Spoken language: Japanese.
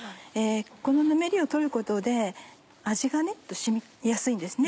このぬめりを取ることで味が染みやすいんですね。